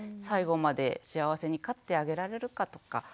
最後まで幸せに飼ってあげられるかとか。